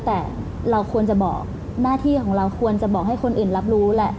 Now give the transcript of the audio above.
แต่เราควรจะบอกหน้าที่ของเราควรจะบอกให้คนอื่นรับรู้แหละ